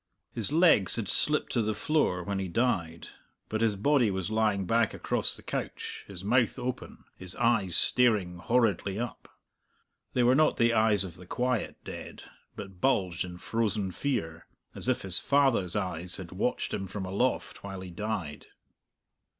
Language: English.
His legs had slipped to the floor when he died, but his body was lying back across the couch, his mouth open, his eyes staring horridly up. They were not the eyes of the quiet dead, but bulged in frozen fear, as if his father's eyes had watched him from aloft while he died.